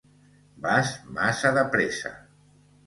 Vas massa depressa!